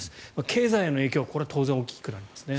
経済への影響はこれは当然大きくなりますね。